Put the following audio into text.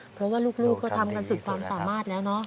เพราะว่าลูกก็ทำกันสุดความสามารถแล้วเนอะ